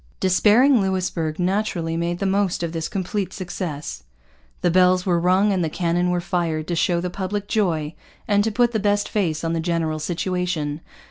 Despairing Louisbourg naturally made the most of this complete success. The bells were rung and the cannon were fired to show the public joy and to put the best face on the general situation.